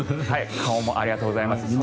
顔もありがとうございます。